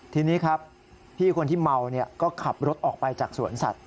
ทีนี้ครับพี่คนที่เมาก็ขับรถออกไปจากสวนสัตว